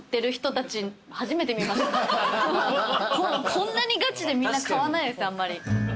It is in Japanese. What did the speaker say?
こんなにガチでみんな買わないですあんまり。